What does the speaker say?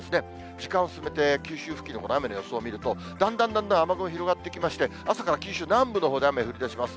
時間進めて、九州付近の雨の予想を見ると、だんだんだんだん雨雲広がってきまして、朝から九州南部のほうで雨降りだします。